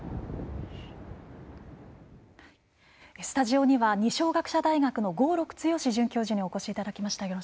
スタジオには二松學舍大学の合六強准教授にお越しいただきました。